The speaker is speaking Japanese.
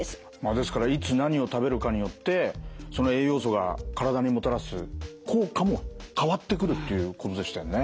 ですからいつ何を食べるかによってその栄養素が体にもたらす効果も変わってくるっていうことでしたよね。